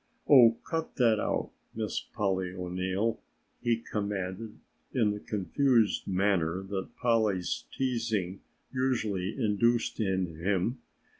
"Oh, cut that out, Miss Polly O'Neill," he commanded in the confused manner that Polly's teasing usually induced in him.